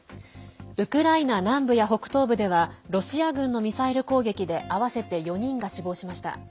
ウクライナ南部や北東部ではロシア軍のミサイル攻撃で合わせて４人が死亡しました。